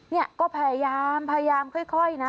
นี่ก็พยายามค่อยนะ